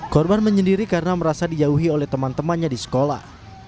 korban menyendiri karena merasa dijauhi oleh teman temannya di sekolah